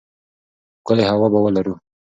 ښکلې هوا به ولرو.